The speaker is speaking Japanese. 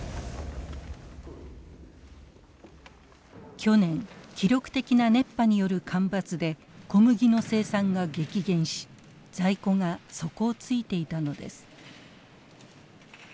去年記録的な熱波による干ばつで小麦の生産が激減し在庫が底をついていたのです。